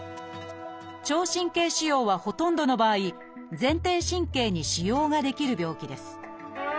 聴神経腫瘍はほとんどの場合前庭神経に腫瘍が出来る病気です。